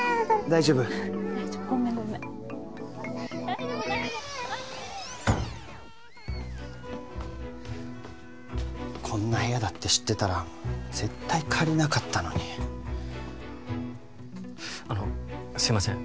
大丈夫大丈夫こんな部屋だって知ってたら絶対借りなかったのにあのすいません